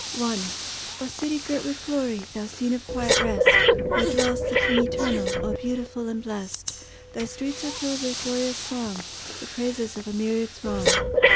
I O city girt with glory! Thou scene of quiet rest, Where dwells the King Eternal— O beautiful and blest! Thy streets are filled with glorious song, The praises of a myriad throng.